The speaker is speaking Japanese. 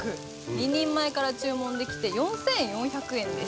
２人前から注文できて４４００円です。